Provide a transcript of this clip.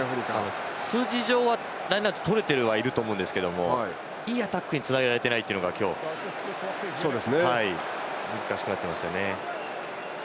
数字上はラインアウトとれてはいると思いますがいいアタックにつなげられていないのが今日難しくなっていますね。